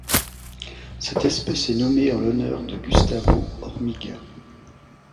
Cette espèce est nommée en l'honneur de Gustavo Hormiga.